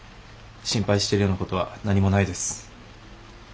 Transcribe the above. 心配しているようなことは何もないです。